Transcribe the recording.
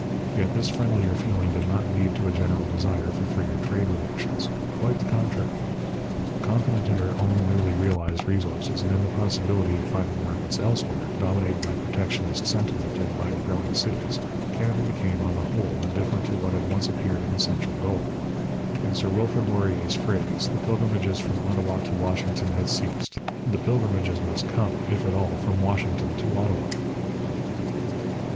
Yet this friendlier feeling did not lead to a general desire for freer trade relations. Quite the contrary; confident in her own newly realized resources and in the possibility of finding markets elsewhere, dominated by protectionist sentiment and by the growing cities, Canada became on the whole indifferent to what had once appeared an essential goal. In Sir Wilfrid Laurier's phrase, the pilgrimages from Ottawa to Washington had ceased: the pilgrimages must come, if at all, from Washington to Ottawa.